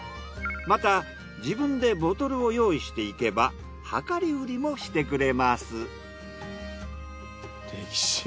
また自分でボトルを用意して行けば量り売りもしてくれます。